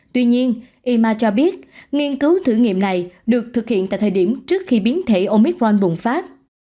tuy nhiên yma cho biết nghiên cứu thử nghiệm này được thực hiện tại thời điểm trước khi biến thể omicron bùng phát